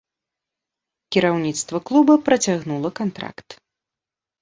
Кіраўніцтва клуба працягнула кантракт.